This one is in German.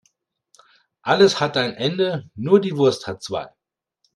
Alles hat ein Ende, nur die Wurst hat zwei.